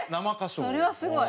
それはすごい。